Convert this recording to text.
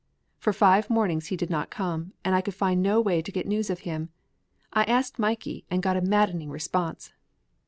For five mornings he did not come and I could find no way to get news of him. I asked Mikey and got a maddening response.